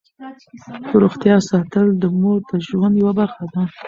د روغتیا ساتل د مور د ژوند یوه برخه ده.